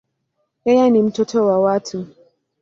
Yeye ni mtoto wa tatu.